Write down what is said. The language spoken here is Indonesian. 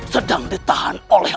sedang ditahan oleh